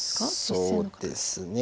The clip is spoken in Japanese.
そうですね